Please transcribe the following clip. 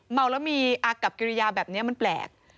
เมาแล้วมีอากับกิริยาแบบนี้มันแปลก